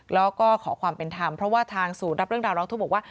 แล้วก็ขอความเป็นธรรมเพราะว่าทางศูนย์รับเรื่องราวร้องทุกข์บอกว่า